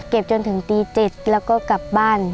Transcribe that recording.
จนถึงตี๗แล้วก็กลับบ้าน